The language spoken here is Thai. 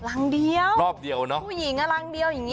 รังเดียวรอบเดียวเนอะผู้หญิงรังเดียวอย่างนี้